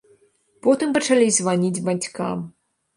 Потым пачалі званіць бацькам.